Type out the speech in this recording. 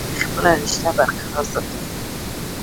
خپله رشته برقرار ساتلي ده ۔